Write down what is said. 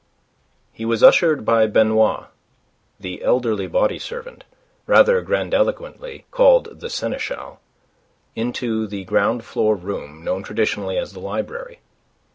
He was ushered by Benoit, the elderly body servant, rather grandiloquently called the seneschal, into the ground floor room known traditionally as the library.